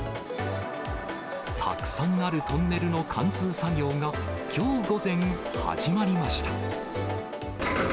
たくさんあるトンネルの貫通作業が、きょう午前、始まりました。